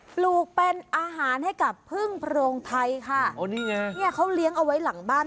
ปลูกเป็นอาหารให้กับพึ่งโพรงไทยค่ะโอ้นี่ไงเนี่ยเขาเลี้ยงเอาไว้หลังบ้าน